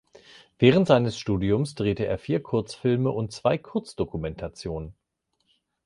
Während seines Studiums drehte er vier Kurzfilme und zwei Kurzdokumentation.